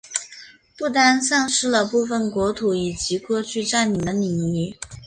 不丹丧失了部分国土以及过去占领的领域。